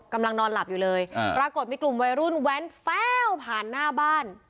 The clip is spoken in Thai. กำลังนอนหลับอยู่เลยปรากฏมีกลุ่มวัยรุ่นแว้นแฟ้วผ่านหน้าบ้าน